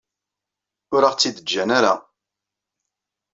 Ur aɣ-tt-id-ǧǧan ara.